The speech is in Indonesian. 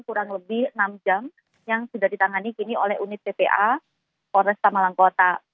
kurang lebih enam jam yang sudah ditangani kini oleh unit tpa polresta malang kota